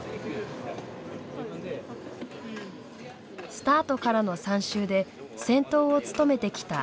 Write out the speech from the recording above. スタートからの３周で先頭を務めてきた綾乃。